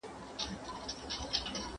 د بل مال خوړل په قرآن کي منع سوي دي.